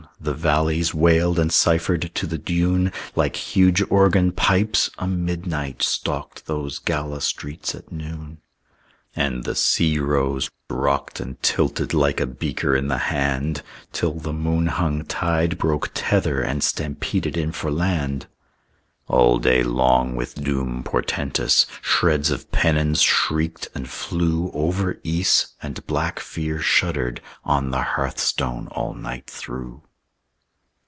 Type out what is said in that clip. The valleys Wailed and ciphered to the dune Like huge organ pipes; a midnight Stalked those gala streets at noon; And the sea rose, rocked and tilted Like a beaker in the hand, Till the moon hung tide broke tether And stampeded in for land. All day long with doom portentous, Shreds of pennons shrieked and flew Over Ys; and black fear shuddered On the hearthstone all night through.